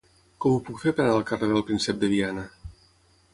Com ho puc fer per anar al carrer del Príncep de Viana?